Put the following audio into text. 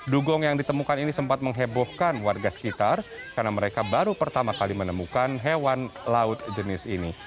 dugong yang ditemukan ini sempat menghebohkan warga sekitar karena mereka baru pertama kali menemukan hewan laut jenis ini